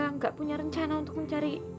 nggak punya rencana untuk mencari